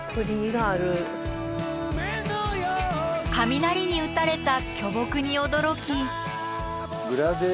雷に打たれた巨木に驚き。